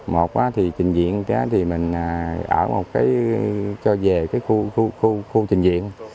một thì trình viện thì mình ở một cái cho về cái khu trình viện